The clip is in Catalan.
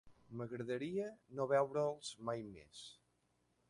M'agradaria no veure'ls mai més.